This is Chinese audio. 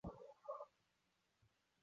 袁侃早卒。